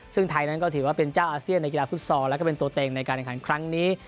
ซึ่งไทยนั้นก็ถือว่าเป็นเจ้าอาเซียนในกีฬาฟุตซอลแล้วก็เป็นตัวเต็งในการแข่งขันครั้งนี้